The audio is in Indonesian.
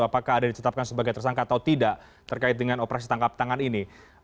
apakah ada ditetapkan sebagai tersangka atau tidak terkait dengan operasi tangkap tangan ini